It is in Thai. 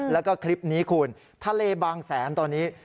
แล้วก็คลิปนี้คุณทะเลบางแสนตอนนี้